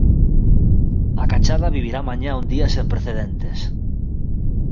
A Cachada vivirá mañá un día sen precedentes.